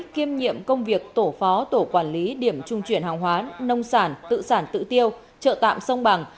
kiêm nhiệm công việc tổ phó tổ quản lý điểm trung chuyển hàng hóa nông sản tự sản tự tiêu trợ tạm sông bằng